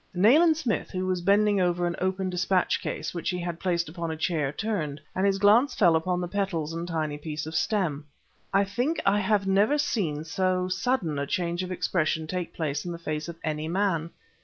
Nayland Smith, who was bending over an open despatch case which he had placed upon a chair, turned and his glance fell upon the petals and tiny piece of stem. I think I have never seen so sudden a change of expression take place in the face of any man.